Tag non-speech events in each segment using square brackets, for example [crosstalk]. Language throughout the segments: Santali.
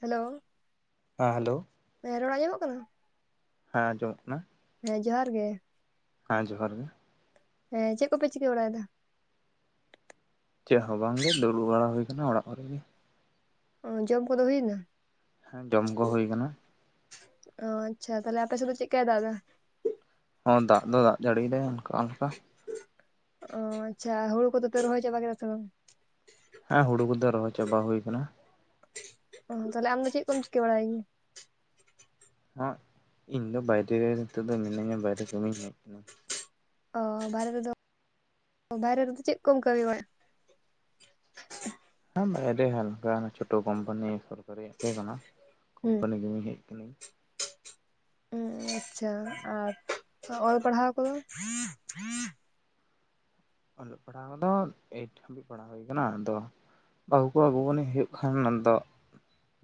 ᱦᱮᱞᱳ ᱦᱮᱸ ᱦᱮᱞᱳ ᱨᱚᱲ ᱟᱸᱡᱚᱜ ᱠᱟᱱᱟ ᱦᱮᱸ ᱟᱸᱡᱚᱢᱚᱜ ᱠᱟᱱᱟ ᱦᱮᱸ ᱡᱚᱦᱟᱨ ᱜᱮ ᱦᱮᱸ ᱡᱚᱦᱟᱨ ᱜᱮ ᱦᱮᱸ ᱪᱮᱫ ᱠᱚᱯᱮ ᱪᱤᱠᱟᱹ ᱵᱟᱲᱟᱭᱮᱫᱟ ᱪᱮᱫ ᱦᱚᱸ ᱵᱟᱝᱜᱮ ᱫᱩᱲᱩᱵ ᱵᱟᱲᱟ ᱦᱩᱭ ᱟᱠᱟᱱᱟ ᱚᱲᱟᱜ ᱠᱚᱨᱮᱜ ᱜᱮ ᱚ ᱡᱚᱢ ᱠᱚᱫᱚ ᱦᱩᱭᱱᱟ ᱦᱮᱸ ᱡᱚᱢ ᱠᱚ ᱦᱩᱭ ᱟᱠᱟᱱᱟ ᱚ ᱟᱪᱪᱷᱟ ᱛᱟᱦᱚᱞᱮ ᱟᱯᱮ ᱥᱮᱫ ᱫᱚ ᱪᱮᱫᱠᱟᱭ ᱫᱟᱜ ᱫᱟ ᱦᱚᱸ ᱫᱟᱜ ᱫᱚ ᱫᱟᱜ ᱡᱟᱹᱲᱤᱭᱫᱟ ᱚᱱᱠᱟ ᱚᱱᱠᱟ ᱚ ᱟᱪᱪᱷᱟ ᱦᱩᱲᱩ ᱠᱚᱫᱚ ᱯᱮ ᱨᱚᱦᱚᱭ ᱪᱟᱵᱟ ᱠᱮᱫᱟ ᱥᱮ ᱵᱟᱝ ᱦᱮᱸ ᱦᱩᱲᱩ ᱠᱚᱫᱚ ᱨᱚᱦᱚᱭ ᱪᱟᱵᱟ ᱦᱩᱭ ᱟᱠᱟᱱᱟ ᱚ ᱛᱟᱦᱚᱞᱮ ᱟᱢ ᱫᱚ ᱪᱮᱫ ᱠᱚᱢ ᱪᱤᱠᱟᱹ ᱵᱟᱲᱟᱭᱜᱤᱭᱟ ᱦᱚᱸ ᱤᱧ ᱫᱚ ᱵᱟᱭᱨᱮ ᱱᱤᱛᱚᱜ ᱫᱚ ᱢᱤᱱᱟᱹᱧᱟ ᱵᱟᱭᱨᱮ ᱠᱟᱹᱢᱤᱧ ᱦᱮᱡ ᱟᱠᱟᱱᱟ ᱚ ᱵᱟᱦᱨᱮ ᱨᱮᱫᱚ ᱵᱟᱦᱨᱮ ᱨᱮᱫᱚ ᱪᱮᱫ ᱠᱚᱢ ᱠᱟᱹᱢᱤ ᱵᱟ ᱵᱟ ᱟᱹᱰᱤ ᱦᱟᱞᱠᱟ ᱪᱷᱳᱴᱳ ᱠᱳᱢᱯᱟᱱᱤ ᱥᱚᱨᱠᱟᱨᱤᱭᱟᱜ ᱛᱟᱦᱮᱸ ᱠᱟᱱᱟ ᱦᱩᱸ ᱠᱳᱢᱯᱟᱱᱤ ᱜᱮᱢᱤᱧ ᱦᱮᱡ ᱟᱠᱟᱱᱟ ᱠᱤᱱᱤᱧ ᱚᱸ ᱟᱪᱪᱷᱟ ᱟᱨ ᱚᱞ ᱯᱟᱲᱦᱟᱣ ᱠᱚᱫᱚ ᱚᱞᱚᱜ ᱯᱟᱲᱦᱟᱜ ᱠᱚᱫᱚ ᱮᱭᱤᱴ ᱫᱩᱲᱩᱵ ᱵᱟᱲᱟ ᱦᱩᱭ ᱟᱠᱟᱱᱟ ᱟᱫᱚ ᱵᱟᱹᱦᱩ ᱠᱚ ᱟᱱᱤᱡ ᱦᱩᱭᱩᱜ ᱠᱷᱟᱱ ᱩᱱ ᱫᱚ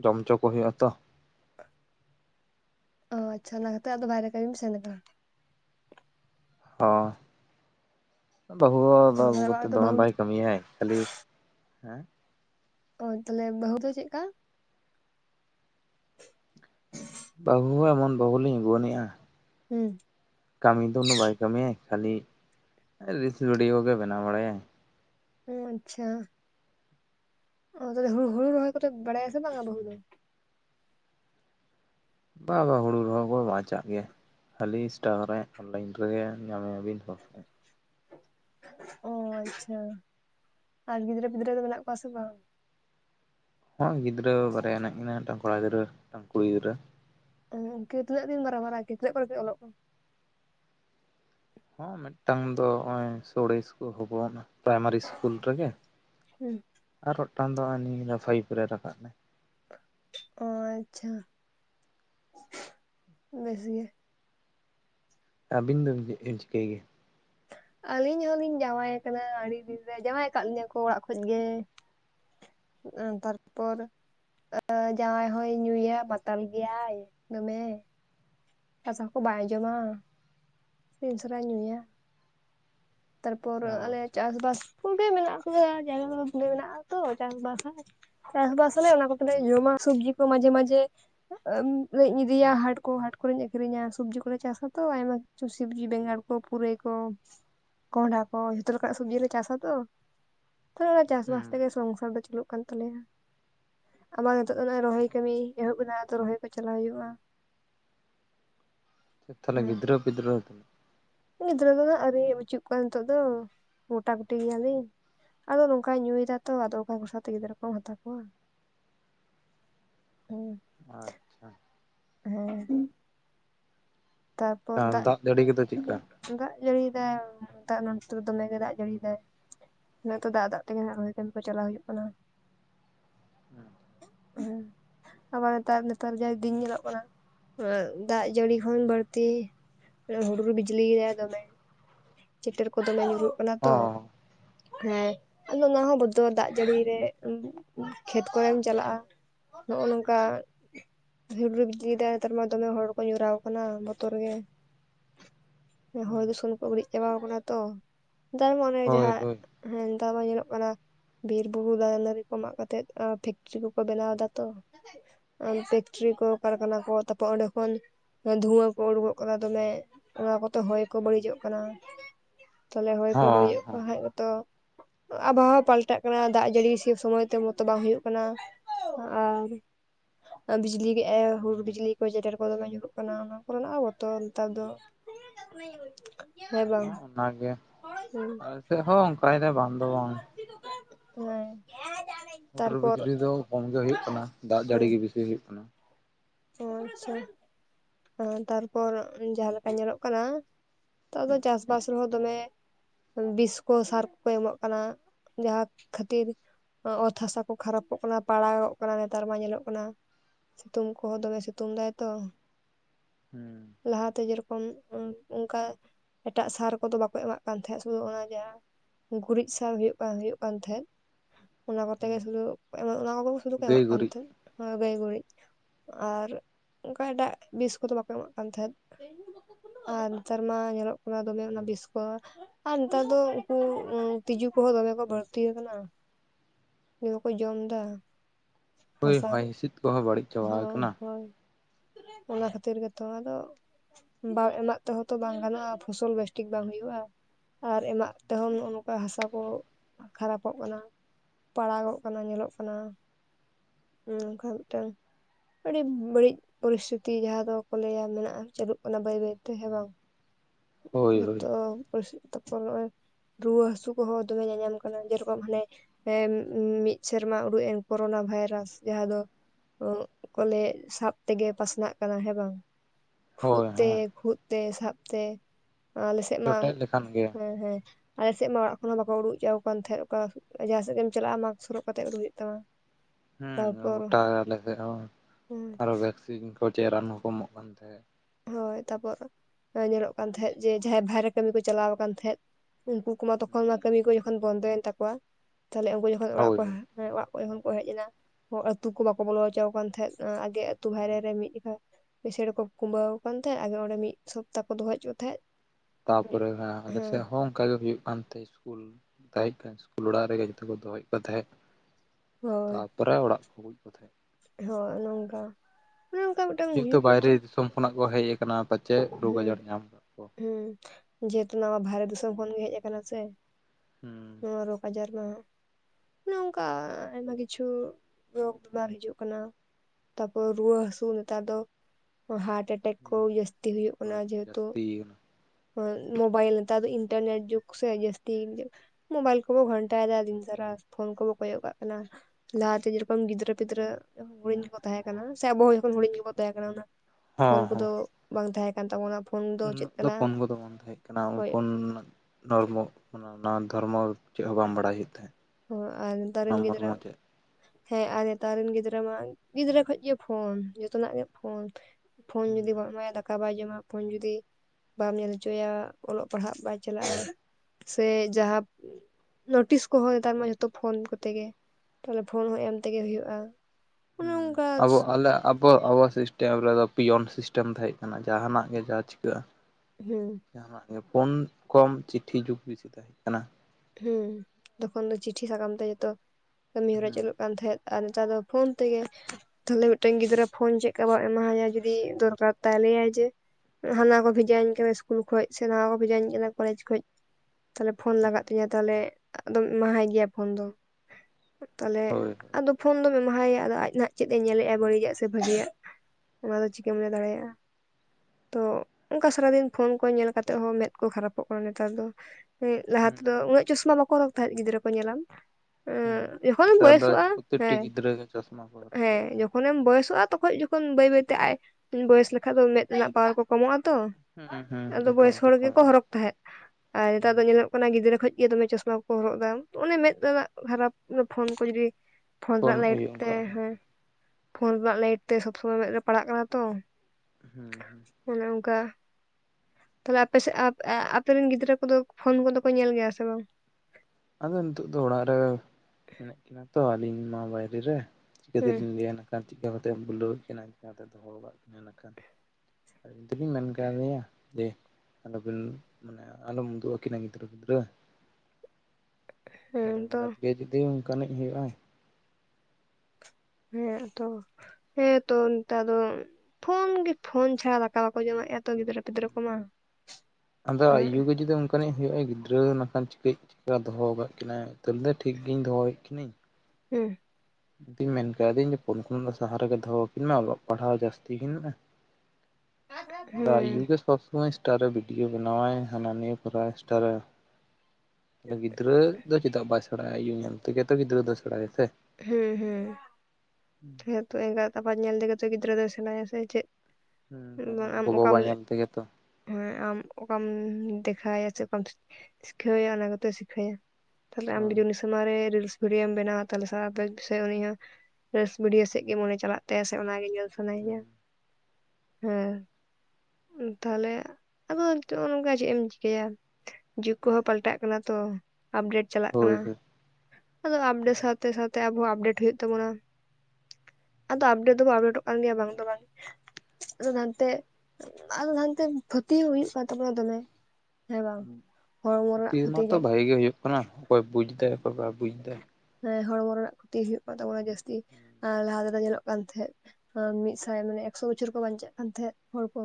ᱡᱚᱢ ᱦᱚᱪᱚ ᱠᱚ ᱦᱩᱭᱩᱜᱼᱟ ᱛᱚ᱾ ᱚ ᱟᱪᱪᱷᱟ ᱚᱱᱟ ᱠᱷᱟᱛᱮ ᱟᱫᱚ ᱵᱟᱭᱨᱮ ᱠᱟᱹᱢ ᱥᱮᱱ ᱟᱠᱟᱱᱟ? ᱦᱚ ᱵᱟᱦᱩ ᱚ ᱛᱟᱦᱚᱞᱮ ᱚᱲᱟᱜ ᱫᱚ ᱨᱮᱫᱚ ᱫᱚᱢᱮ ᱵᱟᱹᱦᱩ ᱵᱟᱭ ᱠᱟᱹᱢᱤᱭᱟᱭ ᱠᱷᱟᱹᱞᱤ, ᱦᱮᱸ? ᱚ ᱛᱟᱦᱚᱞᱮ ᱵᱟᱹᱦᱩ ᱫᱚ ᱪᱮᱫᱠᱟ? [inaudible] ᱵᱟᱹᱦᱩ ᱦᱚᱸ ᱮᱢᱚᱱ ᱵᱟᱹᱦᱩ ᱞᱤᱧ ᱟᱹᱜᱩ ᱟᱹᱱᱤᱡᱼᱟ᱾ ᱦᱩᱸ᱾ ᱠᱟᱹᱢᱤ ᱫᱚ ᱩᱱᱟᱹᱜ ᱵᱟᱭ ᱠᱟᱹᱢᱤᱭᱟ, ᱠᱷᱟᱹᱞᱤ ᱨᱤᱞᱥ ᱵᱷᱤᱰᱭᱳ ᱜᱮ ᱵᱮᱱᱟᱣ ᱵᱟᱲᱟᱭᱟ᱾ ᱚᱸ ᱟᱪᱪᱷᱟ᱾ ᱚ ᱛᱟᱦᱮ ᱦᱩ ᱦᱩᱲ ᱨᱚᱭ ᱠᱚᱫᱚᱭ ᱵᱟᱲᱟᱭ ᱟ ᱥᱮ ᱵᱟᱝᱟ ᱵᱚᱦᱩ ᱫᱚ? ᱵᱟ ᱵᱟ ᱦᱩᱲᱩ ᱨᱮᱦᱚᱸᱭ ᱠᱚᱦᱚᱸ ᱵᱟᱭ ᱪᱟᱜ ᱜᱮ᱾ ᱠᱷᱞᱤ ᱤᱥᱴᱟᱜᱮᱨᱟᱢ ᱚᱱᱞᱟᱭᱤᱱ ᱨᱮᱜᱮ ᱧᱟᱢᱮᱭᱟᱵᱤᱱ ᱥᱚᱵ ᱥᱚᱢᱳᱭ ᱚ ᱟᱪᱪᱷᱟ, ᱟᱨ ᱜᱤᱫᱽᱨᱟᱹ ᱯᱤᱫᱽᱨᱟᱹ ᱫᱚ ᱢᱮᱱᱟᱜ ᱠᱚᱣᱟ ᱥᱮ ᱵᱟᱝ? ᱦᱚᱹ ᱜᱤᱫᱽᱨᱟᱹ ᱵᱭᱟ ᱦᱮᱱᱟᱜ ᱠᱤᱱᱟ ᱢᱤᱫᱴᱟᱝ ᱠᱚᱲᱟ ᱜᱤᱫᱽᱨᱟᱹ, ᱢᱤᱫᱴᱟᱝ ᱠᱩᱲᱤ ᱜᱤᱫᱽᱨᱟᱹ᱾ ᱚ ᱩᱱᱠᱤᱱ ᱛᱤᱱᱟᱹᱜ ᱫᱤᱱ ᱢᱟᱨᱟᱝ ᱢᱟᱨᱟᱝᱼᱟ ᱠᱤᱱ‌ ᱛᱤᱱᱟ. ᱜ ᱨᱮᱠᱤᱱ ᱚᱞᱚᱜ ᱠᱟᱱᱟ? ᱦᱚᱸ ᱢᱤᱫᱴᱟᱝ ᱫᱚ ᱱᱚᱜᱼᱚᱭ ᱥᱳᱲᱮ ᱤᱥ ᱠᱚ ᱦᱚᱵᱚᱱ ᱯᱨᱟᱭᱢᱟᱨᱤ ᱥᱤᱥᱠᱩᱞ ᱨᱮᱜᱮ᱾ ᱦᱩᱸ᱾ ᱟᱨ ᱢᱤᱫᱴᱟᱝ ᱫᱚ ᱱᱤᱭᱟᱹ ᱫᱟ ᱯᱟᱭᱤᱯ ᱨᱮ ᱨᱟᱠᱟᱵ ᱱᱟᱭ᱾ ᱚ ᱟᱪᱪᱷᱟ, ᱵᱮᱥ ᱜᱮ᱾ ᱟᱹᱵᱤᱱ ᱫᱚᱵᱤᱱ ᱪᱮᱫ ᱵᱤᱱ ᱪᱤᱠᱟᱹᱭ ᱜᱮᱭᱟ? ᱟᱹᱞᱤᱧ ᱦᱚᱞᱤᱧ ᱡᱟᱶᱟᱭ ᱠᱟᱱᱟ, ᱟᱹᱰᱤᱫᱤᱱ ᱨᱮ ᱡᱟᱶᱟᱭ ᱟᱠᱟᱫ ᱞᱤᱧᱟᱹ ᱠᱚ ᱚᱲᱟᱜ ᱠᱷᱚᱡ ᱜᱮ᱾ ᱛᱟᱨ ᱯᱚᱨ ᱡᱟᱶᱟᱭ ᱦᱚᱭ ᱧᱩᱭᱟ ᱢᱟᱛᱟᱞ ᱜᱮᱭᱟᱭ ᱫᱚᱢᱮ᱾ ᱦᱟᱥᱟ ᱠᱚ ᱵᱟᱭ ᱟᱡᱚᱢᱟ ᱥᱤᱧᱥᱟᱹᱨᱟ ᱧᱩᱭᱟ᱾ ᱛᱟᱨ ᱯᱚᱨᱮ ᱚ ᱟᱞᱮ ᱟᱪᱪᱷᱟ ᱪᱟᱥ ᱵᱟᱥ ᱠᱚᱩᱜᱮ ᱢᱮᱱᱟᱜ ᱠᱩᱭᱥ ᱡᱟᱭᱜᱟ ᱠᱚᱫᱚ ᱵᱷᱟᱞᱮ ᱢᱮᱱᱟᱜ ᱟᱛᱚ ᱪᱟᱥ ᱵᱟᱥᱟᱭ᱾ ᱪᱟᱥ ᱵᱟᱥ ᱟᱞᱮ ᱚᱱᱟ ᱠᱚᱜᱞᱮ ᱡᱚᱢᱟ, ᱥᱚᱵᱽᱡᱤ ᱠᱚ ᱢᱟᱡᱷᱮ ᱢᱟᱡᱷᱮ ᱤᱧ ᱤᱫᱤᱭᱟ ᱦᱟᱴᱠᱩ ᱦᱟᱴ ᱠᱚᱨᱮᱧ ᱟᱹᱠᱷᱨᱤᱧᱟ ᱥᱚᱵᱽᱡᱤ ᱠᱚᱞᱮ ᱪᱟᱥᱟᱛᱚ ᱟᱭᱢᱟ ᱠᱤᱪᱷᱩ ᱥᱚᱵᱽᱡᱤ ᱵᱮᱸᱜᱟᱲ ᱠᱚ, ᱯᱩᱨᱟᱹᱭ ᱠᱚ, ᱠᱚᱸᱰᱟ ᱠᱚ ᱡᱷᱚᱛᱚ ᱞᱮᱠᱟᱱᱟᱜ ᱥᱚᱵᱽᱡᱤ ᱞᱮ ᱪᱟᱥᱟ ᱛᱚ᱾ ᱛᱚ ᱪᱟᱥ ᱵᱟᱥ ᱦᱩᱸ ᱛᱮᱜᱮ ᱥᱚᱝᱥᱟᱨ ᱫᱚ ᱪᱟᱹᱞᱩᱜ ᱠᱟᱱ ᱛᱟᱞᱮᱭᱟ᱾ ᱟᱵᱟᱨ ᱱᱤᱛᱳᱜ ᱫᱚ ᱱᱚᱜᱼᱚᱭ ᱨᱚᱦᱚᱭ ᱠᱟᱹᱢᱤ ᱮᱦᱚᱵ ᱠᱟᱱᱟ ᱟᱫᱚ ᱨᱚᱦᱚᱭ ᱠᱚ ᱪᱟᱞᱟᱜᱣ ᱦᱩᱭᱩᱜᱼᱟ᱾ ᱛᱟᱦᱚᱞ ᱦᱮᱸ ᱜᱤᱫᱨᱟᱹ ᱯᱤᱫᱨ. ᱦᱚᱛᱚ? ᱜᱤᱫᱽᱨᱟᱹ ᱫᱚ ᱟᱹᱣᱨᱤ ᱵᱪᱩᱜ ᱠᱚᱣᱟ ᱱᱤᱛᱚᱜ ᱫᱚ, ᱜᱚᱴᱟ ᱜᱩᱴᱤ ᱜᱮᱭᱟᱞᱤᱧ᱾ ᱟᱫᱚ ᱱᱚᱝᱠᱟᱭ ᱧᱩᱭ ᱫᱟ ᱛᱚ, ᱟᱫᱚ ᱚᱠᱟ ᱵᱷᱚᱨᱟᱛᱮ ᱜᱤᱫᱽᱨᱟᱹ ᱠᱚᱢ ᱦᱟᱛᱣ ᱠᱚᱣᱟ᱾ ᱦᱩᱸ᱾ ᱟᱪ ᱦᱮᱸ ᱫᱟᱜ ᱡᱟᱹᱲᱤ ᱠᱚᱫᱚ ᱪᱮᱫᱠᱟ? ᱫᱟᱜ ᱡᱟᱹᱲᱤᱭ ᱫᱟᱭ ᱫᱟᱜ ᱱᱚᱱ ᱛᱮ ᱫᱚᱢᱮᱭ ᱫᱟᱜ ᱡᱟᱹᱲᱤᱭ ᱫᱟᱭ᱾ ᱱᱚᱛᱮ ᱫᱟᱜ ᱫᱟᱜ ᱛᱮᱜᱮ ᱨᱟᱱ ᱠᱚ ᱪᱟᱞᱟᱣ ᱦᱩᱭᱩᱜ ᱠᱟᱱᱟ᱾ ᱟᱵᱟᱨ ᱱᱮᱛᱟᱨ ᱱᱮᱛᱟᱨ ᱡᱟ ᱫᱤᱱ ᱧᱮᱞᱚᱜ ᱠᱟᱱᱟ, ᱫᱟᱜ ᱡᱟᱹᱲᱤ ᱠᱷᱚᱱ ᱵᱟᱹᱲᱛᱤ ᱛᱤ ᱚᱱᱮ ᱦᱩᱰᱩᱨ ᱵᱤᱡᱽᱞᱤᱭᱟᱭ ᱫᱚᱢᱮ, ᱪᱴᱟᱹᱨ ᱠᱚ ᱫᱚᱢᱮ ᱧᱩᱨᱦᱩᱜ ᱠᱟᱱᱟ ᱛᱚ᱾ ᱚ ᱦᱮᱸ ᱟᱫᱚ ᱚᱱᱟ ᱦᱚᱸ ᱵᱚᱛᱚᱨ ᱫᱟᱜ ᱡᱟᱹᱲᱤ ᱨᱮ ᱠᱷᱮᱛ ᱠᱚᱨᱮᱢ ᱪᱟᱞᱟᱜᱼᱟ᱾ ᱱᱚᱜᱼ ᱱᱚᱝᱠᱟ ᱦᱩᱰᱨ ᱵᱤᱡᱽᱞᱤ ᱫᱚ ᱱᱮᱛᱟᱨ ᱢᱟ ᱫᱚᱢᱮ ᱦᱚᱲ ᱠᱚ ᱧᱩᱨᱟᱣ ᱟᱠᱚ ᱠᱟᱱᱟ᱾ ᱵᱚᱛᱚᱨ ᱜᱮ, ᱦᱚᱭ ᱫᱩᱥᱚᱱ ᱠᱚ ᱵᱟᱨᱤᱡ ᱪᱟᱵᱟ ᱠᱟᱱᱟ ᱛᱚ᱾ ᱛᱟᱨ ᱢᱚᱱᱮ ᱦᱳᱭ ᱡᱟᱦᱟᱸ ᱦᱳᱭ ᱦᱮᱸ ᱱᱮᱛᱟᱨ ᱢᱟ ᱧᱮᱞᱚᱜ ᱠᱟᱱᱟ, ᱵᱤᱨ ᱵᱩᱨᱩ ᱫᱟᱨᱮ ᱱᱟᱹᱲᱤ ᱠᱚ ᱢᱟᱜ ᱠᱟᱛᱮᱜ ᱯᱷᱮᱠᱴᱨᱤ ᱠᱚᱠᱚ ᱵᱮᱱᱟᱣ ᱫᱟ ᱛᱚ᱾ ᱯᱷᱮᱠᱴᱨᱤ ᱠᱚ ᱠᱟᱨᱠᱷᱟᱱᱟ ᱠᱚ ᱛᱟᱯᱚᱨ ᱚᱸᱰᱮ ᱠᱷᱚᱱ ᱫᱷᱩᱣᱟᱹ ᱠᱚ ᱠᱚ ᱩᱰᱩᱠᱚᱜ ᱠᱟᱱᱟ ᱫᱚᱢᱮ ᱚᱱᱟ ᱠᱚᱛᱮ ᱦᱚᱭ ᱠᱚ ᱵᱟᱹᱲᱤᱡᱚᱜ ᱠᱟᱱᱟ ᱛᱟᱦᱚᱞᱮ ᱦᱚᱭ ᱠᱚ ᱦᱚᱸ ᱵᱟᱹᱲᱤᱡᱚᱜ ᱠᱟᱱᱟ᱾ ᱦᱚᱸ ᱵᱟᱠᱷᱟᱡ ᱢᱚᱛᱚ ᱟᱵᱚᱦᱟᱣᱟ ᱯᱟᱞᱴᱟᱜ ᱠᱟᱱᱟ ᱫᱟᱜ ᱡᱟᱹᱲᱤ ᱥᱮ ᱥᱚᱢᱚᱭ ᱛᱮ ᱢᱚᱛᱚ ᱵᱟᱝ ᱦᱩᱭᱩᱜᱭ ᱠᱟᱱᱟ᱾ ᱟᱨ ᱵᱤᱡᱽᱞᱤ ᱠᱮᱜᱟᱭ ᱦᱩᱰᱩᱨ ᱵᱤᱡᱽᱞᱤ ᱠᱚ ᱡᱮᱴᱮᱨ ᱠᱚ ᱫᱚᱢᱮ ᱧᱩᱨᱩᱜ ᱠᱟᱱᱟ ᱚᱱᱟ ᱠᱚᱨᱮᱱᱟᱜ ᱵᱛᱚᱨ ᱱᱮᱛᱟᱨ ᱫᱚ᱾ ᱦᱮᱸ ᱵᱟᱝ ᱦᱮᱸ ᱪᱮᱫ ᱦᱚᱸ ᱚᱱᱠᱟᱭ ᱫᱟᱭ ᱵᱟᱝ ᱫᱚ ᱵᱟᱝ ᱦᱮᱸ ᱦᱩᱰᱩᱨ ᱛᱟᱨᱯᱚᱨ ᱵᱤᱡᱽᱞᱤ ᱫᱚ ᱠᱚᱢ ᱜᱮ ᱦᱩᱭᱩᱜ ᱠᱟᱱᱟ ᱫᱟᱜ ᱡᱟᱹᱲᱤ ᱜᱮ ᱵᱮᱥᱤ ᱦᱩᱭᱩᱜ ᱠᱟᱱᱟ᱾ ᱚ ᱟᱪᱪᱷᱟ ᱛᱟᱨᱯᱚᱨ ᱡᱟᱦᱟᱸᱮ ᱞᱮᱠᱟ ᱧᱮᱞᱚᱜ ᱠᱟᱱᱟ᱾ ᱛᱫᱚ ᱪᱟᱥ ᱵᱟᱥ ᱨᱮᱦᱚᱸ ᱫᱚᱢᱮ ᱵᱤᱥ ᱠᱚ ᱥᱟᱨ ᱠᱚᱠᱚ ᱮᱢᱚᱜ ᱠᱟᱱᱟ ᱡᱟᱦᱟᱸ ᱠᱷᱟᱹᱛᱤᱨ ᱚᱛ ᱦᱟᱥᱟ ᱠᱚ ᱠᱷᱟᱨᱟᱯᱚᱜ ᱠᱟᱱᱟ ᱯᱟᱲᱟᱣᱚᱜ ᱠᱟᱱᱟ ᱱᱮᱛᱟᱨ ᱢᱟ ᱧᱮᱞᱚᱜ ᱠᱟᱱᱟ ᱥᱤᱛᱩᱝ ᱠᱚᱦᱚ ᱫᱚᱢᱮ ᱥᱤᱛᱩᱝ ᱫᱟᱭ ᱛᱚ᱾ ᱦᱮᱸ ᱞᱟᱦᱟᱛᱮ ᱡᱮᱨᱚᱠᱚᱢ ᱚᱱᱠᱟ ᱮᱴᱟᱜ ᱥᱟᱨ ᱠᱚᱫᱚ ᱵᱟᱠᱚ ᱮᱢᱟᱜ ᱠᱟᱱ ᱛᱟᱦᱮᱸᱫ ᱥᱩᱫᱷᱩ ᱚᱱᱟ ᱡᱟᱦᱟᱸ᱾ ᱜᱩᱨᱤᱡ ᱥᱟᱶ ᱦᱩᱭᱩᱜ ᱦᱩᱭᱩᱜ ᱠᱟᱱ ᱛᱟᱦᱮᱸᱫ, ᱚᱱᱟ ᱠᱚᱛᱮ ᱦᱩᱸ ᱜᱮ ᱥᱩᱫᱷᱩ ᱚᱱᱟ ᱠᱚᱜᱮ ᱠᱚ ᱥᱩᱫᱷᱩ ᱠᱚ ᱜᱟᱹᱭ ᱮᱢᱟᱜ ᱠᱟᱱ ᱜᱩᱨᱤᱡ ᱛᱟᱦᱮᱸᱱ ᱜᱟᱹᱭ ᱜᱩᱨᱤᱡ᱾ ᱟᱨ ᱚᱱᱠᱟ ᱮᱴᱟᱜ ᱵᱤᱥ ᱠᱚᱫᱚ ᱵᱟᱠᱚ ᱮᱢᱟᱜ ᱠᱟᱱ ᱛᱟᱦᱮᱸᱫ᱾ ᱟᱨ ᱱᱮᱛᱟᱨ ᱢᱟ ᱧᱮᱞᱚᱜ ᱠᱟᱱᱟ ᱫᱚᱢᱮ ᱚᱱᱟ ᱵᱮᱥ ᱠᱚ᱾ ᱟᱨ ᱱᱮᱛᱟᱨ ᱫᱚ ᱩᱱᱠᱩ ᱛᱤᱡᱩ ᱠᱚᱦᱚᱸ ᱫᱚᱢᱮ ᱠᱚ ᱵᱟᱹᱲᱛᱤ ᱠᱟᱱᱟ᱾ ᱫᱚᱢᱮ ᱠᱚ ᱡᱚᱢ ᱫᱟ᱾ ᱦᱳᱭ ᱦᱚᱭ ᱦᱸᱥᱤᱫ ᱠᱚᱦᱚᱸ ᱵᱟᱹᱲᱤᱡ ᱪᱟᱵᱟ ᱦᱚᱸ ᱟᱠᱟᱱᱟ ᱦᱳᱭ ᱚᱱᱟ ᱠᱷᱟᱹᱛᱤᱨ ᱜᱮᱛᱚ ᱟᱫᱚ, ᱵᱟᱝ ᱮᱢᱟᱜ ᱛᱮᱦᱚᱸ ᱛᱚ ᱵᱟᱝ ᱜᱟᱱᱚᱜᱼᱟ ᱯᱷᱚᱥᱚᱞ ᱵᱮᱥᱴᱷᱤᱠ ᱵᱟᱝ ᱦᱩᱭᱩᱜᱼᱟ᱾ ᱟᱨ ᱮᱢᱟᱜ ᱛᱮᱦᱚᱸ ᱱᱚᱜᱼᱚ ᱱᱚᱝᱠᱟ ᱦᱟᱥᱟ ᱠᱚ ᱠᱷᱟᱨᱟᱯᱚᱜ ᱠᱟᱱᱟ᱾ ᱯᱟᱲᱟᱜᱚᱜ ᱠᱟᱱᱟ ᱧᱮᱞᱚᱜ ᱠᱟᱱᱟ ᱱᱚᱝᱠᱟ ᱢᱤᱫᱴᱟᱝ ᱟᱹᱰᱤ ᱵᱟᱹᱲᱤᱡ ᱯᱚᱨᱤᱥᱛᱷᱤᱛᱤ ᱡᱟᱦᱟᱸ ᱫᱚᱠᱚ ᱞᱟᱹᱭᱟ ᱢᱮᱱᱟᱜᱼᱟ ᱪᱟᱹᱞᱩᱜ ᱠᱟᱱᱟ ᱵᱟᱹᱭ ᱵᱟᱹᱭᱛᱮ ᱦᱮᱸ ᱵᱟᱝ᱾ ᱦᱳᱭ ᱦᱳᱭ ᱡᱛᱚ ᱛᱚᱯᱚᱨ ᱨᱩᱣᱟᱹ ᱦᱟᱹᱥᱩ ᱠᱚᱦᱚᱸ ᱫᱚᱢᱮ ᱧᱟᱧᱟᱢ ᱠᱟᱱᱟ ᱡᱮᱨᱚᱠᱚᱢ ᱦᱟᱱᱮ, ᱦᱮᱸ ᱢᱤᱫ ᱥᱮᱨᱢᱟ ᱩᱰᱩᱠ ᱮᱱ ᱠᱳᱨᱳᱱᱟ ᱵᱷᱟᱭᱨᱟᱥ ᱡᱟᱦᱟᱸ ᱫᱚ ᱠᱚᱞᱮ ᱥᱟᱵ ᱛᱮᱜᱮ ᱯᱟᱥᱱᱟᱜ ᱠᱟᱱᱟ ᱦᱮᱸ ᱵᱟᱝ ᱠᱷᱩᱜ ᱦᱳᱭ ᱛᱮ ᱦᱮᱸ ᱠᱷᱩᱜ ᱛᱮ ᱥᱟᱵ ᱛᱮ ᱟᱞᱮᱥᱮᱫ ᱢᱟ ᱡᱚᱴᱮᱫ ᱞᱮᱠᱷᱟᱱ ᱜᱮ ᱦᱮᱸ ᱦᱮᱸ ᱟᱞᱮᱥᱮᱫ ᱢᱟ ᱚᱲᱟᱜ ᱠᱷᱚᱱ ᱦᱚᱸ ᱵᱟᱠᱚ ᱩᱰᱩᱠ ᱦᱚᱪᱚ ᱠᱟᱱ ᱛᱟᱦᱮᱸᱫ ᱚᱱᱠᱟ ᱡᱟᱦᱟᱸ ᱥᱮᱫ ᱜᱮᱢ ᱪᱟᱞᱟᱜᱼᱟ ᱢᱟᱜᱥ ᱦᱚᱨᱚᱜ ᱠᱟᱛᱮᱜ ᱟᱹᱰᱩᱜ ᱦᱩᱭᱩᱜ ᱛᱟᱢᱟ᱾ ᱦᱮᱸ ᱛᱟᱨᱯᱚᱨ ᱜᱚᱴᱟ ᱟᱞᱮ ᱥᱮᱜ ᱦᱚᱸ ᱦᱮᱸ ᱟᱨᱦᱚ ᱵᱷᱮᱠᱥᱤᱱ ᱠᱚ ᱪᱮᱫ ᱨᱟᱱ ᱦᱚᱸᱠᱚ ᱮᱢᱚᱜ ᱠᱟᱱ ᱛᱟᱦᱮᱸᱫ᱾ ᱦᱳᱭ ᱛᱟᱯᱚᱨ ᱧᱮᱞᱚᱜ ᱠᱟᱱ ᱛᱟᱦᱮᱸᱫ ᱡᱮ ᱡᱟᱦᱟᱸᱭ ᱵᱟᱨᱮ ᱠᱟᱹᱢᱤ ᱠᱚ ᱪᱟᱞᱟᱣ ᱠᱟᱱ ᱛᱟᱦᱮᱸᱫ ᱩᱱᱠᱩ ᱠᱚᱢᱟ ᱛᱚᱠᱷᱚᱱ ᱢᱟ ᱠᱟᱹᱢᱤ ᱠᱚ ᱡᱚᱠᱷᱚᱱ ᱵᱚᱱᱫᱚᱭᱮᱱ ᱛᱟᱠᱚᱣᱟ ᱛᱟᱦᱚᱞᱮ ᱩᱱᱠᱩ ᱡᱚᱠᱷᱚᱱ ᱚᱲᱟᱜ ᱦᱳᱭ ᱠᱚ ᱦᱳᱭ ᱮᱸ ᱚᱲᱟᱜ ᱠᱚ ᱡᱚᱠᱷᱚᱱ ᱠᱚ ᱦᱮᱡ ᱮᱱᱟ ᱟᱹᱛᱩ ᱠᱚ ᱵᱟᱠᱚ ᱵᱚᱞᱚ ᱦᱚᱪᱚᱣᱟ ᱠᱚ ᱠᱟᱱ ᱛᱟᱦᱮᱸᱫ ᱟᱹᱛᱩ ᱵᱟᱨᱮ ᱨᱮ ᱢᱤᱫ ᱢᱮᱥᱮᱬ ᱠᱚ ᱠᱩᱢᱵᱟᱹᱣᱟᱠ ᱠᱟᱱ ᱛᱟᱦᱮᱸᱜ ᱟᱫᱚ ᱚᱸᱰᱮ ᱢᱤᱫ ᱥᱚᱯᱛᱟ ᱠᱚ ᱫᱚᱦᱚ ᱦᱚᱪᱚ ᱛᱟᱦᱮᱸᱜ ᱛᱟᱯᱚᱨᱮ ᱦᱟᱸ ᱟᱞᱮᱥᱮᱫ ᱦᱚᱸ ᱚᱱᱠᱟ ᱜᱮ ᱦᱩᱭᱩᱜ ᱠᱟᱱᱛᱮ ᱠᱩᱞ ᱛᱟᱦᱮᱸ ᱠᱟᱱ ᱤᱥᱠᱩᱞ ᱚᱲᱟᱜ ᱨᱮᱜᱮ ᱡᱚᱛᱚ ᱠᱚ ᱫᱚᱦᱚᱭᱮᱫ ᱠᱚ ᱛᱟᱦᱮᱸᱫ ᱦᱳᱭ ᱛᱟᱨ ᱯᱟᱭ ᱚᱲᱟᱜ ᱠᱚ ᱜᱩᱡ ᱠᱚ ᱛᱟᱦᱮᱸᱫ ᱦᱳᱭ ᱱᱚᱝᱠᱟ ᱚᱱᱠᱟ ᱢᱤᱫᱴᱟᱝ ᱡᱮᱦᱮᱛᱩ ᱦᱩᱭᱩᱜ ᱠᱟᱱ ᱵᱟᱭᱨᱮ ᱛᱟᱦᱮᱸᱫ ᱫᱤᱥᱚᱢ ᱠᱷᱚᱱᱟᱜ ᱠᱚ ᱦᱮᱡ ᱠᱟᱱᱟ ᱯᱟᱪᱮᱫ ᱨᱳᱜᱽ ᱟᱡᱟᱨ ᱧᱟᱢ ᱠᱟᱱᱟ ᱦᱮᱸ ᱡᱮᱦᱮᱛᱩ ᱱᱟᱣᱟ ᱵᱷᱟᱨᱚᱛ ᱫᱤᱥᱚᱢ ᱠᱷᱚᱱᱜᱮ ᱦᱮᱡ ᱠᱟᱱᱟ ᱥᱮ ᱦᱩᱸ ᱨᱳᱜᱽ ᱟᱡᱟᱨ ᱢᱟ ᱚᱱᱮ ᱚᱱᱠᱟ ᱟᱭᱢᱟ ᱠᱤᱪᱷᱩ ᱨᱳᱜᱽ ᱵᱤᱢᱟᱨ ᱦᱤᱡᱩᱜ ᱠᱟᱱᱟ᱾ ᱛᱟᱯᱚᱨ ᱨᱩᱣᱟᱹ ᱦᱟᱹᱥᱩ ᱱᱮᱛᱟᱨ ᱫᱚ ᱦᱟᱨᱴ ᱮᱴᱮᱠ ᱠᱚ ᱡᱟᱹᱥᱛᱤ ᱛᱤ ᱦᱩᱭᱩᱜ ᱠᱟᱱᱟ ᱦᱳᱭ ᱡᱮᱦᱮᱛᱩ ᱡᱟᱹᱥᱛᱤ ᱠᱟᱱᱟ ᱢᱳᱵᱟᱭᱤᱞ ᱱᱮᱛᱟᱨ ᱫᱚ ᱤᱱᱴᱟᱨᱱᱮᱴ ᱡᱩᱜᱽ ᱥᱮ ᱡᱟᱹᱥᱛᱤ ᱢᱳᱵᱟᱭᱤᱞ ᱠᱚᱵᱚ ᱜᱷᱟᱱᱴᱟᱭᱮᱫᱟ ᱫᱤᱱ ᱥᱟᱨᱟ ᱯᱷᱳᱱ ᱠᱚᱵᱚ ᱠᱚᱭᱚᱜ ᱠᱟᱜ ᱠᱟᱱᱟ᱾ ᱞᱟᱦᱟᱛᱮ ᱡᱮᱨᱚᱠᱚᱢ ᱜᱤᱫᱽᱨᱟᱹ ᱯᱤᱫᱽᱨᱟᱹ ᱦᱩᱰᱤᱧ ᱜᱮᱠᱚ ᱛᱟᱦᱮᱸ ᱠᱟᱱᱟ᱾ ᱥᱮ ᱟᱵᱚᱸ ᱡᱚᱠᱷᱚᱱ ᱦᱩᱰᱤᱧ ᱜᱮᱵᱚᱱ ᱛᱟᱦᱮᱸ ᱠᱟᱱᱟ᱾ ᱯᱷᱳᱱ ᱦᱚᱸ ᱠᱚᱫᱚ ᱦᱚᱸ ᱵᱟᱝ ᱛᱟᱦᱮᱸ ᱠᱟᱱ ᱛᱟᱵᱚᱱᱟ᱾ ᱯᱷᱳᱱ ᱪᱮᱫ ᱩᱱᱟᱹᱜ ᱫᱚ ᱠᱟᱱᱟ ᱯᱷᱳᱱ ᱠᱚᱫᱚ ᱵᱟᱝ ᱛᱟᱦᱮᱸ ᱠᱟᱱᱟ᱾ ᱦᱳᱭ ᱯᱷᱳᱱ ᱫᱷᱚᱨᱢᱚ ᱱᱟ ᱫᱷᱚᱨᱢᱚ ᱪᱮᱫ ᱦᱚᱸ ᱵᱟᱝ ᱵᱟᱲᱟᱭ ᱦᱩᱭᱩᱜ ᱛᱟᱦᱮᱸᱫ᱾ ᱦᱚ ᱟᱨ ᱚᱱᱟ ᱮᱛᱟᱨᱮᱱ ᱜᱤᱫᱽᱨᱟᱹ ᱢᱚᱨᱢᱚ ᱪᱮᱫ ᱦᱮᱸ ᱟᱨ ᱱᱮᱛᱟᱨ ᱨᱮᱱ ᱜᱤᱫᱽᱨᱟᱹ ᱢᱟ ᱜᱤᱫᱽᱨᱟᱹ ᱠᱷᱚᱜ ᱜᱮ ᱯᱷᱳᱱ ᱡᱚᱛᱚᱱᱟᱜ ᱜᱮ ᱯᱷᱳᱱ ᱯᱷᱳᱱ ᱡᱩᱫᱤ ᱦᱩᱸ ᱵᱟᱱ ᱮᱢᱟᱭᱟ ᱫᱟᱠᱟ ᱵᱟᱭ ᱡᱚᱢᱟ ᱯᱷᱳᱱ ᱡᱩᱫᱤ ᱵᱟᱢ ᱧᱮᱞ ᱦᱚᱪᱚᱭᱟ ᱚᱞᱚᱜ ᱯᱟᱲᱦᱟᱜ ᱵᱟᱭ ᱪᱟᱞᱟᱜᱼᱟ᱾ ᱥᱮ ᱡᱟᱦᱟᱸ ᱱᱳᱴᱤᱥ ᱠᱚᱦᱚᱸ ᱱᱮᱛᱟᱨ ᱢᱟ ᱡᱚᱛᱚ ᱯᱷᱳᱱ ᱠᱚᱛᱮ ᱜᱮ ᱛᱟᱦᱞᱮ ᱯᱷᱳᱱ ᱦᱚᱸ ᱮᱢ ᱛᱮᱜᱮ ᱦᱩᱭᱩᱜᱼᱟ᱾ ᱚᱱᱮ ᱚᱱᱠᱟ ᱟᱵᱚ ᱟᱞᱮ ᱟᱵᱚ ᱟᱵ ᱴᱮᱢ ᱨᱮᱫᱚ ᱯᱤᱭᱚᱱ ᱥᱤᱥᱴᱮᱢ ᱛᱟᱦᱮᱸ ᱠᱟᱱᱟ ᱡᱟᱦᱟᱱᱟᱜ ᱜᱮ ᱡᱟᱦᱟᱸ ᱪᱤᱠᱟᱹᱜᱼᱟ᱾ ᱦᱮᱸ ᱡᱟᱦᱟᱱᱟᱜ ᱜᱮ ᱯᱩᱱ ᱠᱚᱢ ᱪᱤᱴᱷᱤ ᱡᱩᱜᱽ ᱵᱮᱥᱤ ᱛᱟᱦᱮᱸ ᱠᱟᱱᱟ᱾ ᱦᱮᱸ ᱛᱚᱠᱷᱚᱱ ᱫᱚ ᱪᱤᱴᱷᱤ ᱥᱟᱠᱟᱢ ᱛᱮ ᱡᱚᱛᱚ ᱠᱟᱹᱢᱤ ᱦᱚᱨᱟ ᱦᱩᱸ ᱪᱟᱹᱞᱩᱜ ᱠᱟᱱ ᱛᱟᱦᱮᱸᱫ᱾ ᱟᱨ ᱱᱮᱛᱟᱨ ᱫᱚ ᱯᱷᱳᱱ ᱛᱮᱜᱮ ᱛᱟᱦᱚᱞᱮ ᱢᱤᱫᱴᱟᱝ ᱜᱤᱫᱽᱨᱟᱹ ᱯᱷᱳᱱ ᱪᱮᱫ ᱞᱮᱠᱟ ᱵᱢ ᱮᱢᱟᱦᱟᱭᱟ ᱡᱩᱫᱤ ᱫᱚᱨᱠᱟᱨ ᱛᱟᱭ ᱞᱟᱹᱭᱟᱭ ᱡᱮ ᱦᱟᱱᱟ ᱠᱚ ᱵᱷᱮᱡᱟᱤᱧ ᱠᱟᱱᱟ ᱥᱤᱥᱠᱩᱞ ᱠᱷᱚᱡ ᱥᱮ ᱱᱟᱣᱟ ᱠᱚ ᱵᱷᱮᱡᱟᱤᱧ ᱠᱟᱱᱟ ᱠᱚᱞᱮᱡ ᱠᱷᱚᱡ ᱛᱟᱦᱮ ᱯᱷᱳᱱ ᱦᱩᱸ ᱞᱟᱜᱟᱜ ᱮ ᱟᱫᱚᱢ ᱮᱢᱟᱦᱟᱭ ᱜᱮᱭᱟ ᱯᱷᱳᱱ ᱫᱚ ᱛᱟᱦᱞᱮ ᱦᱳᱭ ᱦᱳᱭ ᱟᱫᱚ ᱯᱷᱳᱱ ᱫᱚᱢ ᱮᱢᱟᱦᱟᱭᱟ ᱟᱫᱚ ᱟᱡ ᱱᱟᱦᱟᱜ ᱪᱮᱫ ᱮ ᱧᱮᱞᱮᱫᱼᱟ ᱵᱟᱹᱲᱤᱡᱟᱜ ᱥᱮ ᱵᱷᱟᱹᱜᱤᱭᱟᱜ ᱚᱱᱟ ᱫᱚ ᱪᱤᱠᱟᱢ ᱞᱟᱹᱭ ᱫᱟᱲᱮᱭᱟᱜᱼᱟ᱾ ᱛᱚ ᱚᱱᱠᱟ ᱥᱟᱨᱟᱫᱤᱱ ᱯᱷᱳᱱ ᱠᱚ ᱧᱮᱞ ᱠᱟᱛᱮᱜ ᱦᱚᱸ ᱢᱮᱫ ᱠᱚ ᱠᱷᱟᱨᱟᱯᱚᱜ ᱠᱟᱱᱟ ᱱᱮᱛᱟᱨ ᱫᱚ ᱦᱩᱸ ᱛᱚ ᱩᱱᱟᱹᱜ ᱪᱚᱥᱟ ᱵᱟᱠᱚ ᱦᱚᱨᱚᱜᱽ ᱛᱟᱦᱮᱸᱫ ᱜᱤᱫᱽᱨᱟᱹ ᱠᱚ ᱧᱮᱞᱟᱢ ᱦᱩᱸ ᱡᱚᱠᱷᱚᱱᱮᱢ ᱱᱮᱛᱟᱨ ᱫᱚ ᱵᱚᱭᱮᱥᱚᱜᱼᱟ ᱯᱨᱚᱛᱮᱠᱴᱤ ᱦᱮᱸ ᱜᱤᱫᱽᱨᱟᱹ ᱜᱮ ᱪᱚᱥᱢᱟ ᱠᱚ ᱦᱚᱨᱚᱜ ᱠᱟᱜ ᱦᱮᱸ ᱠᱟᱱᱟ ᱡᱚᱠᱷᱚᱱᱮᱢ ᱵᱚᱭᱮᱥᱚᱜᱼᱟ ᱛᱚᱠᱷᱚᱡ ᱚᱠᱷᱚᱱ ᱵᱟᱹᱭ ᱵᱟᱹᱭᱛᱮ ᱟᱡ ᱵᱚᱭᱮᱥ ᱞᱮᱠᱷᱟᱡ ᱫᱚ ᱢᱮᱫ ᱨᱮᱱᱟᱜ ᱯᱟᱣᱟᱨ ᱠᱚ ᱠᱚᱢᱚᱜ ᱟ ᱛᱚ ᱦᱩᱸ ᱦᱩᱸ ᱟᱫᱚ ᱵᱚᱭᱮᱥ ᱢᱚᱴᱟᱢᱩᱴᱤ ᱦᱚᱲ ᱜᱮᱠᱚ ᱠᱚᱢᱚᱜᱼᱟ ᱦᱚᱨᱚᱜ ᱛᱟᱦᱮᱸᱫ ᱟᱨ ᱱᱮᱛᱟᱨ ᱫᱚ ᱦᱩᱸ ᱧᱮᱞᱚᱜ ᱚᱱᱟ ᱜᱤᱫᱽᱨᱟᱹ ᱠᱷᱚᱱ ᱜᱮ ᱫᱚᱢᱮ ᱪᱚᱥᱢᱟ ᱠᱚ ᱦᱚᱨᱚᱜ ᱮᱫᱟ ᱚᱱᱮ ᱢᱮᱫ ᱨᱮᱱᱟᱜ ᱠᱷᱟᱨᱟᱯ ᱯᱷᱳᱱ ᱠᱚ ᱡᱩᱫᱤ ᱯᱷᱳᱱ ᱨᱮᱱᱟᱜ ᱞᱟᱹᱭᱤᱴ ᱤᱭᱟᱹ ᱛᱮ ᱚᱱᱠᱟ ᱦᱮᱸ ᱯᱷᱳᱱ ᱨᱮᱱᱟᱜ ᱞᱟᱭᱤᱴ ᱛᱮ ᱥᱚᱵ ᱥᱚᱢᱚᱭ ᱢᱮᱫᱨᱮ ᱯᱟᱲᱟᱜ ᱠᱟᱱᱟ ᱛᱚ ᱦᱮᱸ ᱦᱮᱸ ᱚᱱᱮ ᱚᱱᱠᱟ ᱛᱟᱦᱞᱮ ᱟᱯᱮ ᱥᱮᱫ ᱟᱯᱮ ᱨᱮᱱ ᱜᱤᱫᱽᱨᱟᱹ ᱠᱚᱫᱚ ᱯᱷᱳᱱ ᱠᱚᱫᱚ ᱠᱚ ᱧᱮᱞ ᱜᱮᱭᱟ ᱥᱮ ᱵᱟᱝ? ᱟᱫᱚ ᱱᱤᱛᱳ ᱫᱚ ᱚᱲᱟᱜ ᱨᱮ ᱢᱮᱱᱟᱜ ᱠᱤᱱᱟᱹ ᱛᱚ ᱟᱹᱞᱤᱧ ᱢᱟ ᱵᱟᱭᱨᱮ ᱨᱮ ᱪᱤᱠᱟᱹ ᱦᱮᱸ ᱛᱮᱞᱤᱧ ᱞᱟᱹᱭᱱᱟ ᱾ ᱟᱱ ᱪᱤᱠᱟᱹᱠᱟ ᱠᱟᱛᱮᱢ ᱵᱩᱞᱟᱹᱣ ᱠᱤᱱᱟ ᱪᱤᱠᱟᱛᱮ ᱫᱚᱦᱚᱣᱟᱫ ᱠᱤᱱᱟᱠᱷᱟᱱ ᱾ ᱟᱹᱵᱧ ᱫᱚᱞᱤᱧ ᱢᱮᱱ ᱠᱟᱫᱮᱭᱟ ᱡᱮ ᱟᱞᱚᱵᱤᱱ ᱟᱞᱚᱢ ᱩᱫᱩᱜ ᱟᱠᱤᱱᱟ ᱜᱤᱫᱽᱨᱹ ᱯᱤᱫᱽᱨᱟᱹ ᱟᱫᱚ ᱦᱮᱸ ᱛᱚ ᱮᱸᱜᱟᱛ ᱜᱮ ᱡᱩᱫᱤ ᱚᱱᱠᱟᱱᱤᱡ ᱦᱩᱭᱩᱜ ᱟᱭ ᱦᱮᱸ ᱛᱚ ᱦᱮᱸᱛᱚ ᱱᱮᱛᱟᱨ ᱫᱚ ᱯᱷᱳᱱ ᱜᱤ ᱯᱷᱳᱱ ᱪᱷᱟᱲᱟ ᱫᱟᱠᱟ ᱵᱟᱠᱚ ᱡᱚᱢᱮᱫ ᱛᱚ ᱜᱤᱫᱽᱨᱟᱹ ᱯᱤᱫᱽᱨᱟᱹ ᱦᱮᱸ, ᱠᱚᱢᱟ ᱟᱫᱚ ᱟᱡ ᱭᱩ ᱦᱮᱸ ᱜᱮ ᱡᱩᱫᱤ ᱚᱱᱠᱟᱼᱼ ᱠᱟᱱᱤᱡ ᱦᱩᱭᱩᱜ-ᱟ, ᱜᱤᱫᱽᱨᱟᱹ ᱱᱟᱠᱷᱟᱱ ᱪᱤᱠᱟᱹᱭ [inaudible] ᱫᱚᱦᱚ ᱠᱟᱜ ᱠᱤᱱᱟᱭ? [unintelligible] ᱴᱷᱤᱠ ᱜᱮᱧ ᱫᱚᱦᱚᱭᱮᱫ ᱠᱤᱱᱟᱹᱧ᱾ ᱦᱮᱸ ᱤᱧ ᱢᱮᱱᱠᱟᱣ ᱫᱟᱹᱧ ᱡᱮ ᱯᱷᱳᱱ ᱠᱷᱚᱱᱟᱜ ᱫᱚ ᱥᱟᱦᱟ ᱨᱮᱜᱮ ᱫᱚᱦ ᱟᱹᱠᱤᱱ ᱢᱮ ᱚᱞᱚᱜ ᱯᱟᱲᱦᱟᱣ ᱡᱟᱹᱥᱛᱤ ᱠᱤᱱ ᱢᱮ ᱟᱫᱚ ᱦᱮᱸ ᱟᱡᱭᱩᱜᱮ ᱥᱟᱵ ᱥᱚᱢᱚᱭ ᱥᱴᱟᱨᱮ ᱵᱷᱤᱰᱭᱳ ᱵᱮᱱᱟᱣ ᱟᱭ ᱦᱟᱱᱟ ᱱᱤᱭᱟᱹ ᱠᱚᱨᱟᱶ ᱟᱭ ᱥᱴᱟᱨᱮ᱾ ᱛᱟᱦᱮ ᱜᱤᱫᱽᱨᱟᱹ ᱫᱚ ᱪᱮᱫᱟᱜ ᱵᱟᱭ ᱥᱮᱬᱟᱭᱟ ᱟᱭᱭᱩ ᱧᱮᱞ ᱛᱮᱜᱮ ᱛᱚ ᱜᱤᱫᱽᱨᱟᱹ ᱫᱚ ᱥᱮᱬᱟᱭᱟ ᱥᱮ ᱦᱮᱸ ᱦᱮᱸ ᱦᱮᱸᱛᱚ ᱮᱸᱜᱟᱛ ᱟᱯᱟᱛ ᱧᱮᱞ ᱛᱮᱜᱮ ᱛᱚ ᱜᱤᱫᱽᱨᱟᱹ ᱫᱚᱭ ᱥᱮᱟᱱᱟᱭᱟ ᱥᱮ ᱪᱮᱫ᱾ ᱵᱟᱝ ᱦᱩᱸ ᱟᱢ ᱜᱚ ᱵᱟᱵᱟ ᱚᱠᱟᱢ ᱧᱮᱞ ᱛᱮᱜᱮ ᱛᱚ ᱦᱮᱸ ᱟᱢ ᱚᱠᱟᱢ ᱫᱮᱠᱷᱟᱣᱟᱭᱟ ᱥᱮ ᱚᱠᱟᱢ ᱥᱤᱠᱷᱟᱹᱟᱭᱟ ᱚᱱᱟ ᱠᱚᱛᱚ ᱥᱤᱠᱷᱟᱹᱭᱟ᱾ ᱛᱟᱦᱚᱞᱮ ᱟᱢ ᱦᱳᱭ ᱡᱩᱫᱤ ᱩᱱᱤ ᱥᱟᱢᱚᱝ ᱨᱮ ᱨᱤᱞᱥ ᱵᱷᱤᱰᱭᱳᱢ ᱵᱮᱱᱟᱣ? ᱛᱟᱞᱦᱮ [unintelligible] ᱥᱮ ᱩᱱᱤ ᱦᱚᱸ ᱨᱤᱞᱥ ᱵᱷᱤᱰᱤᱭᱟ ᱥᱮᱫ ᱜᱮ ᱢᱚᱱᱮ ᱪᱟᱞᱟᱜ ᱛᱟᱭᱟ ᱥᱮ, ᱚᱱᱟ ᱜᱮ ᱧᱮᱞᱼᱼ ᱥᱟᱱᱟᱭ ᱮᱭᱟ, [inaudible] ᱩᱸ ᱛᱟᱦᱟᱞᱮᱼᱼ ᱟᱫᱚ ᱱᱚᱜᱚ ᱱᱚᱝᱠᱟ ᱪᱮᱫ ᱮᱢ ᱪᱤᱠᱟᱹᱭᱟ? ᱡᱩᱜᱽ ᱠᱚᱦᱚᱸ ᱯᱟᱞᱴᱟᱜ ᱠᱟᱱᱟ ᱛᱚ? ᱟᱯᱰᱮᱴ ᱪᱟᱞᱟᱜ ᱦᱳᱭ ᱠᱟᱱᱟ᱾ ᱦᱳᱭ ᱟᱫᱚ ᱟᱯᱰᱮ ᱥᱟᱸᱣᱼᱼ ᱟᱵᱚ ᱛᱮ ᱟᱵᱚ ᱟᱵᱰᱮᱴ ᱦᱩᱭᱩᱜ ᱛᱟᱵᱚᱱᱟ᱾ ᱟᱫᱚ ᱟᱵᱰᱮᱴ ᱫᱚᱵᱚᱱ ᱟᱵᱰᱮᱴᱚᱜ ᱠᱟᱱ ᱜᱮᱭᱟ ᱵᱟᱝ ᱫᱚ ᱵᱟᱝ᱾ ᱟᱫᱚ ᱱᱟᱱᱛᱮ ᱟᱫᱚ ᱱᱷᱟᱱᱛᱮ ᱯᱷᱤᱛᱤ-ᱭᱟᱹᱣ ᱦᱩᱭᱩᱜ ᱠᱟᱱ ᱛᱟᱵᱚᱱᱟ ᱫᱚᱢᱮ। ᱦᱮᱸ ᱵᱟᱝ ᱦᱩᱸ ᱦᱚᱲᱢᱚ ᱠᱷᱚᱛᱤ ᱨᱮᱱᱟᱜ ᱢᱟᱛᱚ ᱡᱟ ᱵᱷᱟᱜᱤ ᱜᱮ ᱦᱩᱭᱩᱜ ᱠᱟᱱᱟ, ᱚᱠᱚᱭ ᱵᱩᱡᱽ ᱫᱟᱭ, ᱚᱠᱚᱭ ᱵᱟᱭ ᱵᱩᱡᱽ ᱫᱟ᱾ ᱦᱮᱸ ᱦᱚᱲ ᱠᱚᱨᱮᱱᱟᱜ ᱠᱷᱩᱛᱤ ᱦᱩᱭᱩᱜ ᱠᱟᱱ ᱛᱟᱵᱚᱱᱟ ᱡᱟᱹᱥᱛᱤ, ᱟᱨ ᱞᱟᱦᱟ ᱛᱮᱫᱚ ᱧᱮᱞᱚᱜᱼᱼ ᱠᱟᱱ ᱛᱟᱦᱮᱸᱫ, ᱢᱤᱫ ᱥᱟᱭ ᱢᱟᱱᱮ ᱮᱠᱥᱚ ᱵᱚᱪᱷᱚᱨ ᱠᱚ ᱵᱟᱧᱪᱟᱜ ᱠᱟᱱ ᱛᱟᱦᱮᱸᱜ ᱦᱚᱲ ᱠᱚ।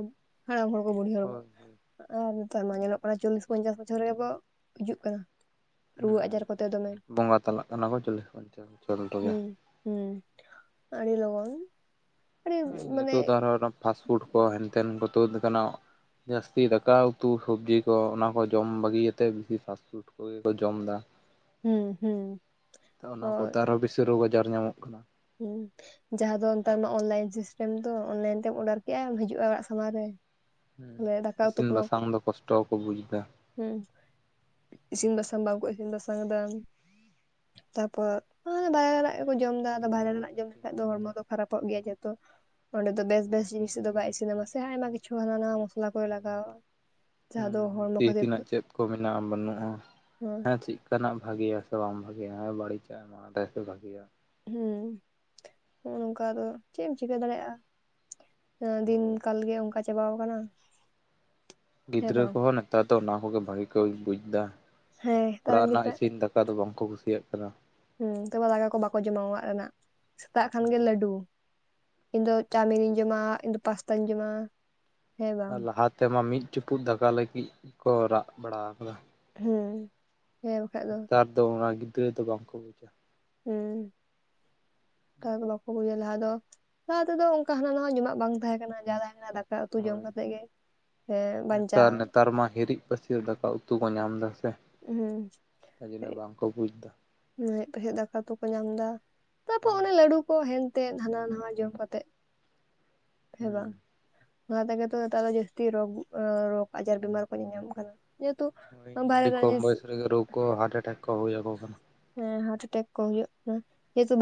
ᱦᱟᱲᱟᱢ ᱦᱚᱲ ᱠᱚ ᱵᱩᱲᱦᱤ ᱦᱚᱲ ᱠᱚ। ᱦᱳᱭ ᱦᱳᱭ ᱟᱨ ᱱᱮᱛᱟᱨ ᱢᱟ ᱧᱮᱞᱚᱜ ᱠᱟᱱᱟ ᱪᱚᱞᱞᱤᱥ, ᱯᱚᱧᱪᱟᱥ ᱵᱚᱪᱷᱚᱨ ᱨᱮᱜᱮ ᱠᱚ ᱦᱤᱡᱩᱜ ᱠᱟᱱᱟ᱾ ᱦᱩᱸ ᱨᱩᱣᱟᱹᱜ ᱟᱡᱟᱨ ᱠᱚᱛᱮ ᱫᱚᱢᱮᱼᱼ ᱵᱚᱸᱜᱟ ᱛᱟᱞᱟᱜ ᱠᱟᱱᱟ ᱠᱚ ᱪᱚᱞᱞᱤᱥ-ᱯᱚᱧᱪᱟᱥ ᱵᱚᱪᱷᱚᱨ ᱨᱮᱜᱮ᱾ ᱦᱩᱸ ᱦᱩᱸ, ᱟᱲᱤ ᱞᱚᱜᱚᱱ। ᱟᱹᱰᱤ ᱦᱮᱸ ᱢᱟᱱᱮ ᱱᱤᱛᱚᱜ ᱫᱚ ᱯᱷᱟᱥᱴᱯᱷᱩᱰ ᱠᱚ, ᱦᱮᱱ ᱛᱮᱱ ᱠᱚ ᱛᱩᱫ ᱟᱠᱟᱱᱟ। ᱡᱟᱹᱥᱛᱤ ᱫᱟᱠᱟ ᱩᱛᱩ ᱥᱚᱵᱡᱤ ᱠᱚ ᱚᱱᱟ ᱠᱚ ᱡᱚᱢ ᱵᱟᱹᱜᱤᱭᱟᱛᱮ ᱵᱤᱥᱤ ᱥᱟᱥᱛᱚᱼᱼ [unintelligible] ᱠᱚ ᱡᱚᱢ ᱫᱟ᱾ ᱦᱩᱸ ᱦᱩᱸ ᱛᱚ, ᱚᱱᱟ ᱦᱳᱭ ᱠᱚᱛᱮ ᱟᱨᱚ ᱵᱤᱥᱤ ᱨᱳᱜᱽ ᱟᱡᱟᱨ ᱧᱟᱢᱚᱜ ᱠᱟᱱᱟ ᱾ ᱦᱩᱸ, ᱡᱟᱦᱟᱸ ᱫᱚ ᱱᱮᱛᱟᱨ ᱢᱟ ᱚᱱᱞᱟᱭᱤᱱ ᱥᱤᱥᱴᱮᱢ ᱫᱚ᱾ ᱚᱱᱞᱟᱭᱤᱱ ᱛᱮᱢ ᱚᱰᱟᱨ ᱠᱮᱜ-ᱟ ᱦᱤᱡᱩᱜ-ᱟ ᱚᱲᱟᱜ ᱥᱟᱢᱟᱝ ᱨᱮ, ᱦᱮᱸ, ᱛᱟᱦᱞᱮ ᱫᱟᱠᱟ ᱤᱥᱤᱱ ᱵᱟᱥᱟᱝ ᱫᱚ ᱠᱚᱥᱴᱚ ᱜᱮᱠᱚ ᱵᱩᱡᱽ ᱫᱟ᱾ ᱦᱩᱸ, ᱤᱥᱤᱱ ᱵᱟᱥᱟᱝ ᱵᱟᱝᱠᱚ ᱤᱥᱤᱱ ᱵᱟᱥᱟᱝ ᱮᱫᱟ᱾ ᱛᱟᱯᱚᱨ ᱚᱱᱟ ᱫᱚ ᱵᱟᱭᱨᱮ ᱨᱮᱱᱟᱜ ᱜᱮᱠᱚ ᱡᱚᱢ ᱫᱟ। ᱟᱫᱚ ᱵᱟᱭᱨᱮ ᱨᱮᱱᱟᱜ ᱡᱚᱢ ᱞᱮᱠᱷᱟᱡ ᱫᱚ ᱦᱚᱲᱢᱚ ᱫᱚ ᱼᱼ ᱠᱷᱟᱨᱟᱯᱚᱜ ᱜᱮᱭᱟ ᱡᱚᱛᱚ, ᱚᱸᱰᱮ ᱫᱚ ᱵᱮᱥ ᱵᱮᱥ ᱡᱤᱱᱤᱥ ᱫᱚ ᱵᱟᱭ ᱤᱥᱤᱱᱟᱢᱟ ᱥᱮ? ᱟᱭᱢᱟ ᱠᱤᱪᱷᱩ ᱦᱟᱱᱟ ᱱᱟ ᱢᱚᱥᱞᱟ ᱠᱚᱭ ᱞᱟᱜᱟᱣᱟ। ᱦᱩᱸ ᱡᱟᱦᱟᱸ ᱫᱚ ᱦᱩᱸ, ᱦᱚᱲᱢᱚ ᱛᱤ ᱠᱷᱟᱹᱛᱤᱨ ᱛᱤᱱᱟᱹᱜ ᱪᱮᱫ ᱠᱚ ᱢᱮᱱᱟᱜ-ᱟ ᱵᱟᱹᱱᱩᱜ-ᱟ? ᱦᱚᱸ ᱦᱮᱸ ᱪᱮᱫᱼᱼ ᱠᱟᱱᱟᱜ ᱵᱷᱟᱜᱮᱭᱟ ᱥᱮ ᱵᱟᱝ ᱵᱷᱟᱜᱮᱭᱟ? ᱵᱟᱹᱲᱤᱡᱟᱜ ᱮᱢᱟ ᱫᱟᱭ ᱥᱮ ᱵᱷᱟᱜᱤᱭᱟᱜ? ᱦᱩᱸ, ᱦᱚᱸᱜ-ᱚ ᱱᱚᱝᱠᱟ ᱟᱫᱚ ᱪᱮᱫ ᱮᱢ ᱪᱤᱠᱟᱹ ᱫᱟᱲᱮᱭᱟᱜ-ᱟ? ᱮ ᱫᱤᱱ ᱦᱳᱭ ᱠᱟᱞ ᱜᱮ ᱚᱱᱠᱟ ᱪᱟᱵᱟᱣ ᱠᱟᱱᱟ। ᱜᱤᱫᱽᱨᱟᱹ ᱠᱚᱦᱚᱸ ᱱᱮᱛᱟᱨ ᱫᱚ ᱚᱱᱟ ᱠᱚᱜᱮ ᱵᱷᱟᱜᱤ ᱠᱚ ᱵᱩᱡᱽ ᱫᱟ, ᱦᱮᱸ ᱱᱮᱛᱟᱨ ᱚᱲᱟᱜ ᱨᱮᱱ ᱨᱮᱱᱟᱜ ᱜᱤᱫᱽᱨᱟᱹ ᱤᱥᱤᱱ ᱫᱟ ᱼᱼ ᱠᱟ ᱫᱚ ᱵᱟᱝᱠᱚ ᱠᱩᱥᱤᱭᱟᱜ ᱠᱟᱱᱟ। ᱦᱮᱸ ᱛᱚᱵᱮ ᱫᱟᱠᱟ ᱠᱚ ᱵᱟᱠᱚ ᱡᱚᱢᱟ ᱚᱲᱟᱜ ᱨᱮᱱᱟᱜ, ᱥᱮᱛᱟᱜ ᱠᱷᱟᱱ ᱜᱮ ᱦᱮᱸ ᱞᱟᱹᱰᱩ। ᱤᱧ ᱫᱚ ᱪᱟᱣᱢᱤᱱᱤᱧ ᱡᱚᱢᱟ, ᱤᱧᱫᱚ ᱯᱟᱥᱛᱟᱧ ᱡᱚᱢᱟ। ᱦᱮᱸ ᱵᱟᱝ ᱟᱨ ᱞᱟᱦᱟ ᱛᱮᱢᱟ ᱢᱤᱫ ᱪᱩᱯᱩᱫ ᱫᱟᱠᱟ ᱞᱟᱹᱜᱤᱫ ᱠᱚ ᱨᱟᱜ ᱵᱟᱲᱟ ᱟᱠᱟᱫᱟ ᱦᱮᱸ ᱱᱮᱛᱟᱨ ᱫᱚ ᱚᱱᱟ ᱜᱤᱫᱽᱨᱟᱹ ᱫᱚ ᱵᱟᱝᱠᱚ ᱵᱩᱡᱟ ᱩᱸ ᱵᱟ ᱵᱩᱡ ᱞᱟᱦᱟ ᱫᱚ ᱞᱟᱦᱟ ᱛᱮᱫᱚ ᱚᱱᱠᱟ ᱦᱟᱱᱟ ᱱᱟ ᱡᱚᱢᱟᱜ ᱵᱟᱝ ᱛᱟᱦᱮᱸ ᱠᱟᱱᱟ ᱛᱟᱦᱮᱸ ᱠᱟᱱᱟ ᱫᱟᱠᱟ ᱩᱛᱩ ᱡᱚᱢ ᱦᱳᱭ ᱠᱟᱛᱮᱜ ᱜᱮ ᱵᱟᱧᱪᱟᱜ ᱛᱟᱨᱢᱟ ᱦᱤᱨᱤᱡ ᱵᱟᱹᱥᱭᱟᱹ ᱫᱟᱠᱟ ᱩᱛᱩ ᱠᱚ ᱧᱟᱢ ᱮᱫᱟ ᱥᱮ ᱦᱮᱸ ᱛᱟᱨ ᱡᱚᱱᱭᱚ ᱵᱟᱝᱠᱚ ᱵᱩᱡ ᱫᱟᱹ [inaudible] ᱫᱟᱠᱟ ᱩᱛᱩ ᱠᱚ ᱧᱟᱢ ᱮᱫᱟ ᱛᱟᱯᱚᱨ ᱚᱱᱮ ᱞᱟᱹᱰᱩ ᱠᱚ ᱦᱮᱱᱛᱮᱜ ᱦᱟᱱᱟ ᱱᱟᱣᱟ ᱡᱚᱢ ᱠᱟᱛᱮᱜ ᱦᱮ ᱦᱩᱸ ᱵᱟᱝ ᱚᱱᱟ ᱛᱮᱜᱮᱛᱚ ᱱᱮᱛᱟᱨ ᱫᱚ ᱡᱟᱹᱥᱛᱤ ᱨᱳᱜ ᱨᱳᱜᱽ ᱟᱡᱟᱨ ᱵᱤᱢᱟᱨ ᱠᱚ ᱧᱟᱧᱟᱢ ᱠᱟᱱᱟ ᱡᱮᱦᱮᱛᱩ ᱦᱟᱭ ᱵᱟᱦᱨᱮ ᱟᱹᱰᱤ ᱨᱮ ᱠᱚᱢ ᱵᱚᱭᱮᱥ ᱨᱮᱜᱮ ᱨᱳᱜᱽ ᱠᱚ ᱦᱟᱴᱟ ᱴᱮᱠ ᱠᱚ ᱦᱩᱭ ᱟᱠᱚ ᱠᱟᱱᱟ ᱦᱮᱸ ᱦᱟᱴᱟ ᱮᱴᱮᱠ ᱠᱚ ᱦᱩᱭᱩᱜ ᱠᱟᱱᱟ ᱡᱮᱦᱮᱛᱩ